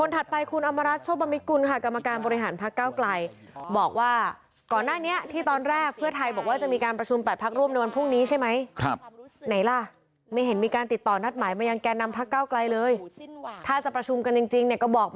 แต่มโอยูที่จะยอมทำบ้าง